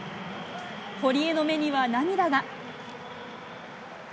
堀江の目には涙が。